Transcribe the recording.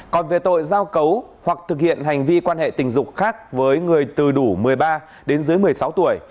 còn về tội giao cấu hoặc thực hiện hành vi quan hệ tình dục khác với người từ đủ một mươi ba đến dưới một mươi sáu tuổi